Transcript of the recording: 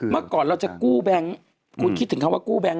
เมื่อก่อนเราจะกู้แบงค์คุณคิดถึงคำว่ากู้แบงค